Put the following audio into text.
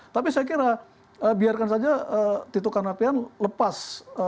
tapi saya kira biarkan saja tito karnavian lepas